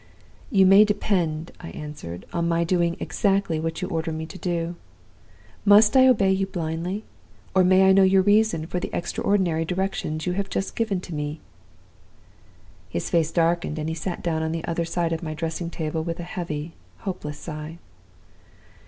"'You may depend,' I answered, 'on my doing exactly what you order me to do. Must I obey you blindly? Or may I know your reason for the extraordinary directions you have just given to me?' "His, face darkened, and he sat down on the other side of my dressing table, with a heavy, hopeless sigh.